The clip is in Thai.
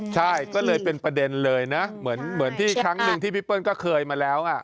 ใช่ก็เลยเป็นประเด็นเลยนะเหมือนที่ครั้งหนึ่งที่พี่เปิ้ลก็เคยมาแล้ว